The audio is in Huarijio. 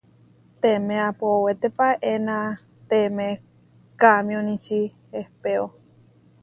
Temeápu oʼowetépa eʼenatemé kamióniči ehpéo.